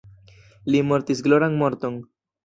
Li mortis gloran morton.